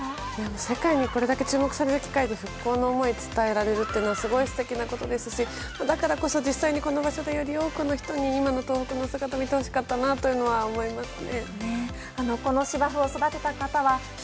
世界にこれだけ注目されて復興の思いを伝えられるというのはすごい素敵なことですしだからこそ、実際にこの場所でより多くの人に東北の姿を見てほしかったなと思いますね。